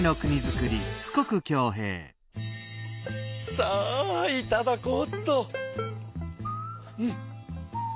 さあいただこうっと。